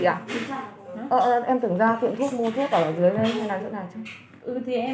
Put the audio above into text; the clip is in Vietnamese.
chuyển khoản cho chị à